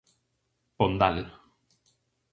Pondal.